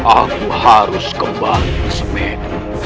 aku harus kembali ke semen